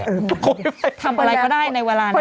ทำอะไรก็ได้ในเวลานั้น